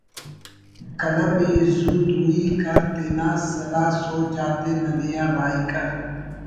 قلم ءِ زو دوٹی کر تینا سلاہ سوج آتے ننے آ راہی کر